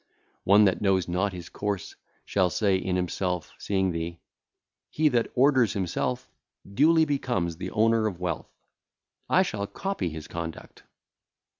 One that knoweth not his course shall say in himself (seeing thee), 'He that ordereth himself duly becometh the owner of wealth; I shall copy his conduct.'